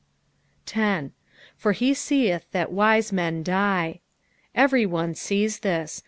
10. "For he teeth that iwe men die." Every one sees this.